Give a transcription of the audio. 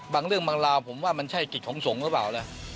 บางเรื่องบางราวผมว่ามันใช่กิจของสงฆ์หรือเปล่านะ